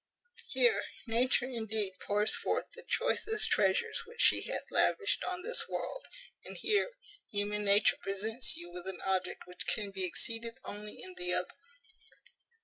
Here Nature indeed pours forth the choicest treasures which she hath lavished on this world; and here human nature presents you with an object which can be exceeded only in the other.